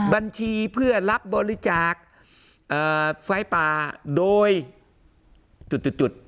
บัญชีเพื่อรับบริจาคเอ่อไฟล์ปลาโดยจุดจุดจุด